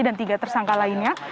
dan tiga tersangka lainnya